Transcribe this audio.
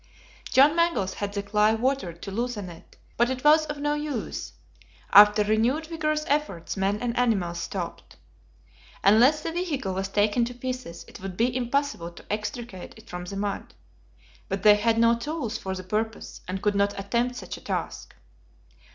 John Mangles had the clay watered to loosen it, but it was of no use. After renewed vigorous efforts, men and animals stopped. Unless the vehicle was taken to pieces, it would be impossible to extricate it from the mud; but they had no tools for the purpose, and could not attempt such a task.